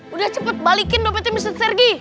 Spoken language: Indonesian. udah cepet balikin dopetnya mr sergi